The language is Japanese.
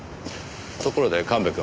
ところで神戸君。